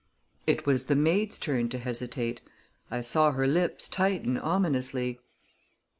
It was the maid's turn to hesitate; I saw her lips tighten ominously.